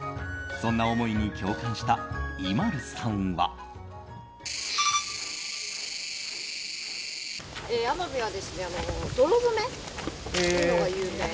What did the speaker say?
そんな思いに共感したＩＭＡＬＵさんは。